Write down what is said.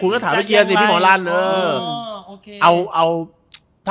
คุณก็ถามไปเคลียร์ซิพี่หมอรั่น